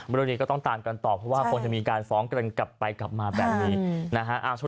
เรื่องนี้ก็ต้องตามกันต่อเพราะว่าคงจะมีการฟ้องกันกลับไปกลับมาแบบนี้นะฮะ